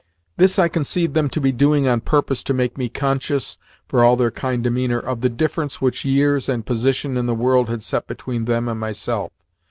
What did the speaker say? This I conceived them to be doing on purpose to make me conscious (for all their kind demeanour) of the difference which years and position in the world had set between them and myself.